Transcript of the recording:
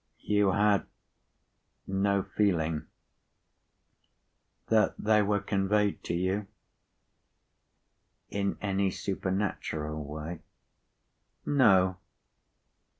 "You had no feeling that they were conveyed to you in any supernatural way?" "No."